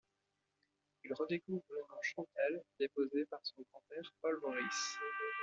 Il redécouvre le nom Chantelle déposé par son grand-père Paul-Maurice.